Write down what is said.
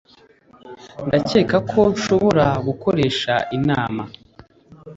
Ndakeka ko nshobora gukoresha inama